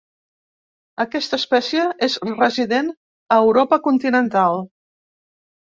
Aquesta espècie és resident a Europa continental.